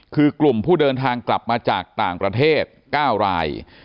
คือกลุ่มผู้เดินทางกลับมาจากต่างประเทศ๙ราย